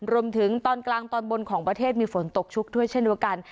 รวมถึงตอนกลางตอนบนของประเทศมีฝนตกชุกด้วยเช่นเดียวกัน